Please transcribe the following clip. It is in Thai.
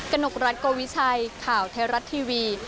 กนกรัฐโกวิชัยข่าวเทราตร์ทีวี